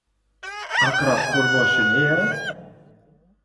Aqrab qo‘rboshini-ya?